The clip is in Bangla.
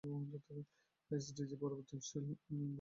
এসডিজির জন্য পরিবর্তনশীল বৈশ্বিক পরিস্থিতি অন্যতম প্রধান চ্যালেঞ্জ।